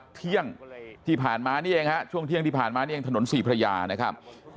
เที่ยงที่ผ่านมานี่เองฮะช่วงเที่ยงที่ผ่านมานี่เองถนนศรีพระยานะครับ